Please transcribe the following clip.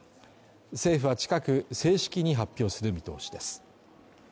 政府は近く正式に発表する見通しです。